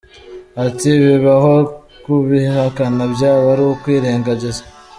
Ati “Bibaho, kubihakana byaba ari ukwirengagiza.